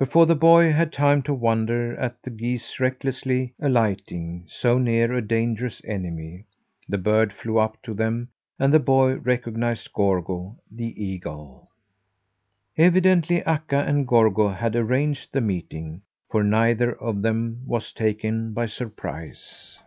Before the boy had time to wonder at the geese recklessly alighting so near a dangerous enemy, the bird flew up to them and the boy recognized Gorgo, the eagle. Evidently Akka and Gorgo had arranged the meeting, for neither of them was taken by surprise.